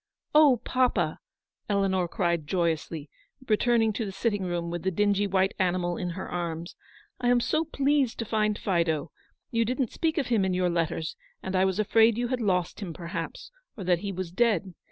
" Oh, papa !" Eleanor cried joyously, returning to the sitting room with the dingy white animal in her arms, " I am so pleased to find Fido. You didn't speak of him in your letters, and I was afraid you had lost him, perhaps, or that he was dead.